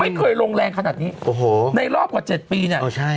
ไม่เคยลงแรงขนาดนี้โอ้โหในรอบกว่าเจ็ดปีเนี่ย